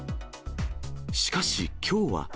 しかしきょうは。